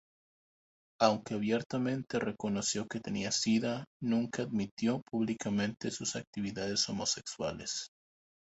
Aunque abiertamente reconoció que tenía sida, nunca admitió públicamente sus actividades homosexuales.